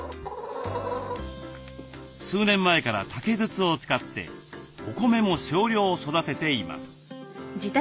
数年前から竹筒を使ってお米も少量育てています。